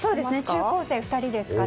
中高生２人ですから。